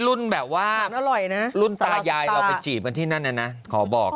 แบบว่ารุ่นตายายเราไปจีบกันที่นั่นน่ะนะขอบอก